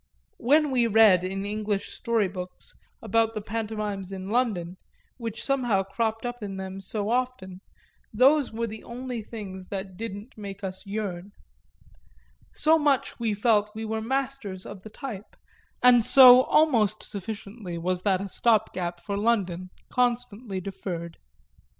When we read in English story books about the pantomimes in London, which somehow cropped up in them so often, those were the only things that didn't make us yearn; so much we felt we were masters of the type, and so almost sufficiently was that a stop gap for London constantly deferred.